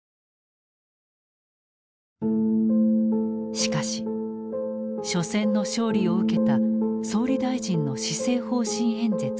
しかし緒戦の勝利を受けた総理大臣の施政方針演説では。